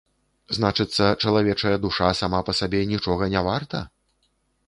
Значыцца, чалавечая душа, сама па сабе, нічога не варта?